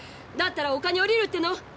だったら地球に降りるっての？